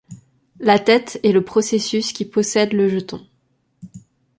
La tête est le processus qui possède le jeton.